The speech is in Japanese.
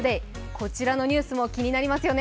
こちらのニュースも気になりますよね。